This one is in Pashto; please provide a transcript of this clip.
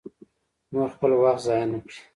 نور خپل وخت ضایع نه کړي.